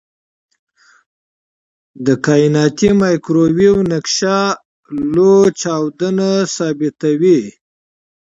د کائناتي مایکروویو نقشه لوی چاودنه ثابتوي.